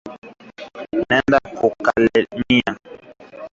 Naenda ku kalemie